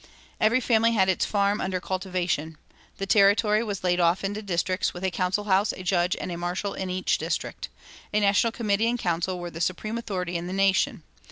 Every family had its farm under cultivation. The territory was laid off into districts, with a council house, a judge, and a marshal in each district. A national committee and council were the supreme authority in the nation.